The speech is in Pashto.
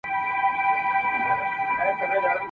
له ملوک سره وتلي د بدریو جنازې دي !.